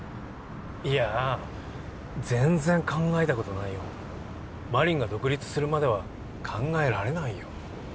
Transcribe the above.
いやあ全然考えたことないよ真凛が独立するまでは考えられないよ